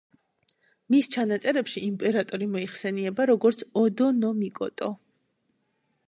მის ჩანაწერებში იმპერატორი მოიხსენიება, როგორც ოდო ნო მიკოტო.